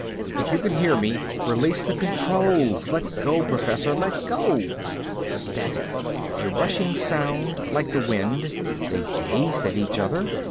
If you can hear me, release the controls! Let go, Professor. Let go!" Static. A rushing sound, like the wind. They gazed at each other.